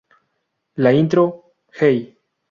La intro "Hey.